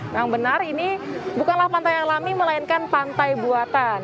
yang benar ini bukanlah pantai alami melainkan pantai buatan